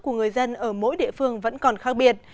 của người dân ở mỗi địa phương vẫn còn khác biệt